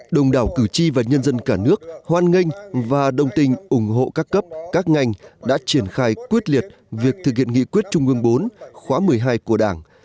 đồng đảo cử tri và nhân dân cả nước hoan nghênh và đồng tình ủng hộ các cấp các ngành đã triển khai quyết liệt việc thực hiện nghị quyết trung ương bốn khóa một mươi hai của đảng